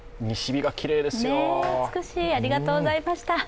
美しいありがとうございました。